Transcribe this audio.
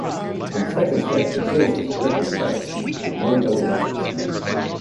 In the second set, "exhaust" is correctly spelled with no double letters.